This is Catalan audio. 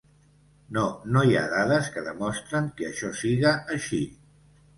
No, no hi ha dades que demostren que això siga així.